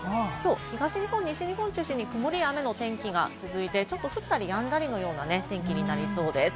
東日本、西日本中心に曇りや雨の天気が続いて、降ったりやんだりのような天気になりそうです。